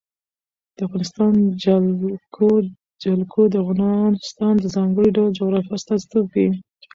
د افغانستان جلکو د افغانستان د ځانګړي ډول جغرافیه استازیتوب کوي.